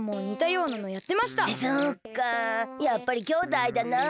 やっぱりきょうだいだなあ。